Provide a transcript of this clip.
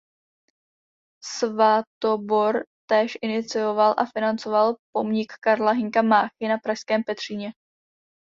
Svatobor též inicioval a financoval pomník Karla Hynka Máchy na pražském Petříně.